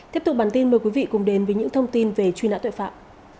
tiếp tục bản tin mời quý vị cùng đến với những thông tin về truy nã tội phạm